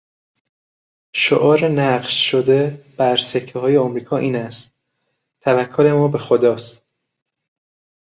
شعار نقش شده بر سکههای امریکا این است: توکل ما به خداست.